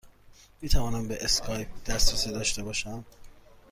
می توانم به اسکایپ دسترسی داشته باشم؟